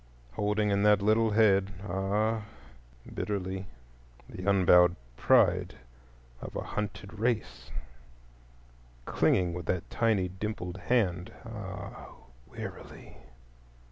Holding in that little head—ah, bitterly!—he unbowed pride of a hunted race, clinging with that tiny dimpled hand—ah, wearily!